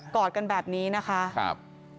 กอดกันแบบนี้นะคะ